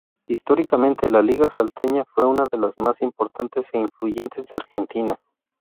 Históricamente la Liga Salteña fue una de las más importantes e influyentes de Argentina.